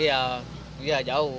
iya iya jauh